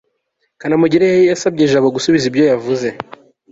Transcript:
kanamugire yasabye jabo gusubiza ibyo yavuze